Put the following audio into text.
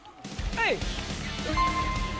はい！